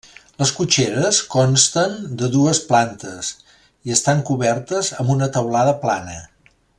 Les cotxeres consten de dues plantes i estan cobertes amb una teulada plana.